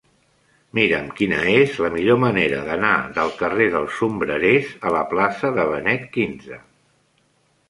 Mira'm quina és la millor manera d'anar del carrer dels Sombrerers a la plaça de Benet XV.